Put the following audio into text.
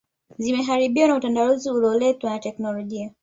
Zimeharibiwa na utandawazi ulioletwa na teknolojia